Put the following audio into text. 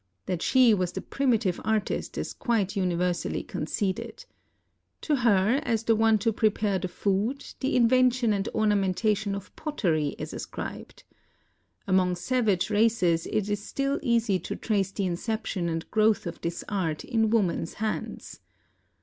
That she was the primitive artist is quite universally conceded. To her, as the one to prepare the food, the invention and ornamentation of pottery is ascribed. Among savage races it is still easy to trace the inception and growth of this art in woman's hands.